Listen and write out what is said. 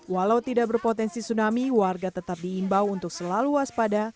walau tidak berpotensi tsunami warga tetap diimbau untuk selalu waspada